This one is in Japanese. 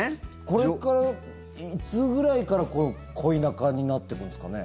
これからいつぐらいから恋仲になっていくんですかね。